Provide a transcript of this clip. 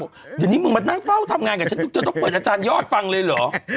เดี๋ยวนี้มึงมานั่งเฝ้าทำงานกับฉันจะต้องเปิดอาจารยอดฟังเลยเหรอ